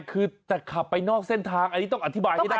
คือจะขับไปนอกเส้นทางอันนี้ต้องอธิบายให้ได้